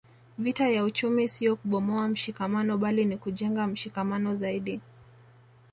Vita ya uchumi sio kubomoa mshikamano bali ni kujenga mshikamano zaidi